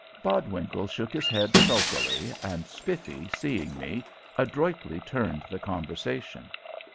Bodwinkle shook his head sulkily, and Spiffy, seeing me, adroitly turned the conversation.